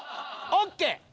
オッケー。